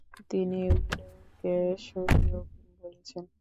তিনি এগুলোকে সহিহ বলেছেন।